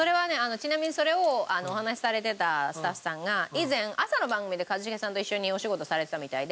ちなみにそれをお話しされてたスタッフさんが以前朝の番組で一茂さんと一緒にお仕事されてたみたいで。